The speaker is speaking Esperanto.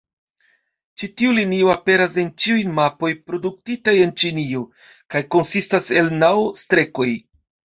Ĉi tiu linio aperas en ĉiuj mapoj produktitaj en Ĉinio, kaj konsistas el naŭ-strekoj.